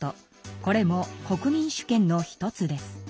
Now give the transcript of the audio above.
これも国民主権の１つです。